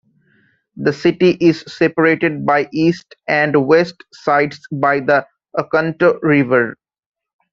The city is separated by east and west sides by the Oconto River.